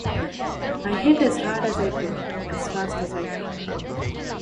I hit as hard as I could, as fast as I could.